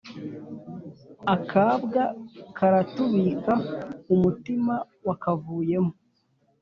Akabwa karatubika umutima wakavuyemo